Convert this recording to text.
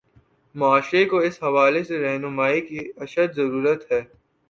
معاشرے کو اس حوالے سے راہنمائی کی اشد ضرورت ہے۔